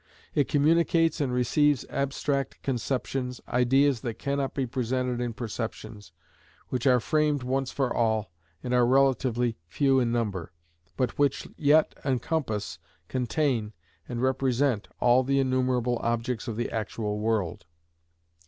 It communicates and receives abstract conceptions, ideas that cannot be presented in perceptions, which are framed once for all, and are relatively few in number, but which yet encompass, contain, and represent all the innumerable objects of the actual world.